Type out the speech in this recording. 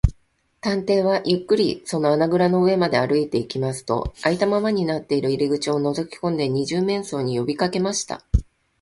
探偵はゆっくりその穴ぐらの上まで歩いていきますと、あいたままになっている入り口をのぞきこんで、二十面相によびかけました。